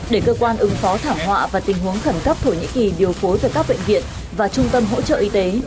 để cơ quan ứng phó thảm họa và tình huống khẩn cấp thổ nhĩ kỳ điều phối với các bệnh viện và trung tâm hỗ trợ y tế